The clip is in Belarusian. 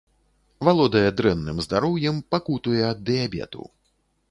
Валодае дрэнным здароўем, пакутуе ад дыябету.